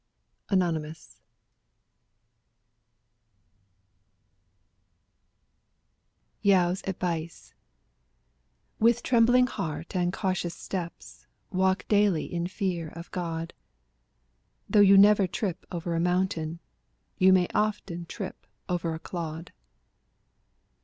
Anon YAO'S ADVICE With trembling heart and cautious steps Walk daily in fear of God Though you never trip over a mountain, You may often trip over a clod.